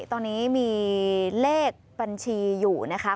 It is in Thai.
ตอนนี้มีเลขบัญชีอยู่นะคะ